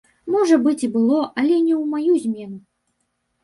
Можа быць, і было, але не ў маю змену.